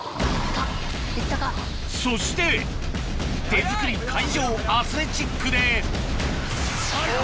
そして手作り海上アスレチックでいった！